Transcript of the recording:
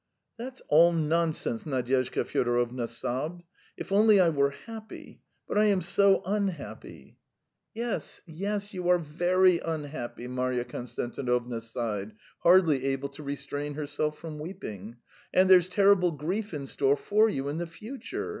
"That's all nonsense," Nadyezhda Fyodorovna sobbed. "If only I were happy, but I am so unhappy!" "Yes, yes; you are very unhappy!" Marya Konstantinovna sighed, hardly able to restrain herself from weeping. "And there's terrible grief in store for you in the future!